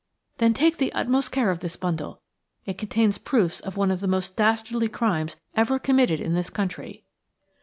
"Then take the utmost care of this bundle. It contains proofs of one of the most dastardly crimes ever committed in this country."